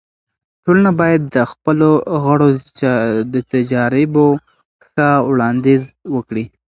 ټولنه باید د خپلو غړو د تجاريبو ښه وړاندیز وکړي.